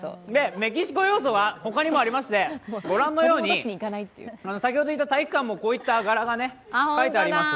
メキシコ要素は他にもありまして、ご覧のように体育館もこういった柄が描いてあります。